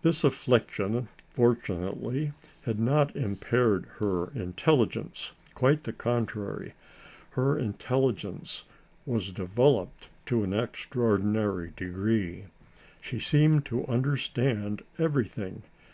This affliction, fortunately, had not impaired her intelligence; quite the contrary, her intelligence was developed to an extraordinary degree. She seemed to understand everything.